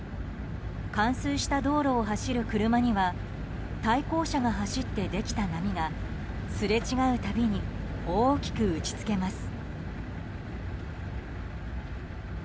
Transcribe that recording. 冠水した道路を走る車には対向車線が走ってできた波がすれ違うたびに大きく打ち付けます。